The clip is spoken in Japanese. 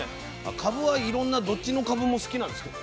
かぶはいろんなどっちのかぶも好きなんですけどね私は。